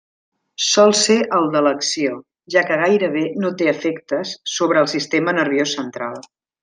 Sol ser el d'elecció, ja que gairebé no té efectes sobre el sistema nerviós central.